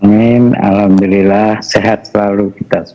amin alhamdulillah sehat selalu kita semua